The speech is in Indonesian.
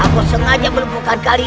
aku sengaja melempukan kalian